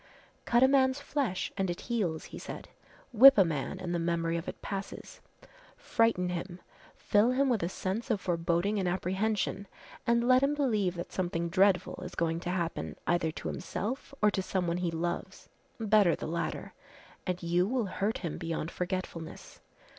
"Cut a man's flesh and it heals," he said. "Whip a man and the memory of it passes, frighten him, fill him with a sense of foreboding and apprehension and let him believe that something dreadful is going to happen either to himself or to someone he loves better the latter and you will hurt him beyond forgetfulness.